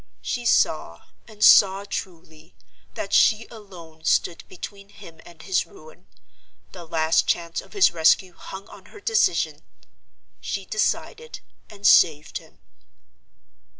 She saw, and saw truly, that she alone stood between him and his ruin. The last chance of his rescue hung on her decision. She decided; and saved him.